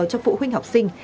cho phụ huynh học sinh